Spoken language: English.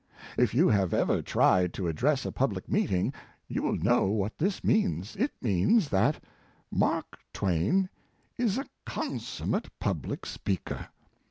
If you have ever tried to address a public meeting, you will know what this means. It means that Mark Twain is a consummate public speaker.